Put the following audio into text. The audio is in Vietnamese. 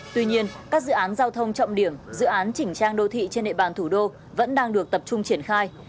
tuy nhiên các dự án giao thông trọng điểm dự án chỉnh trang đô thị trên địa bàn thủ đô vẫn đang được tập trung triển khai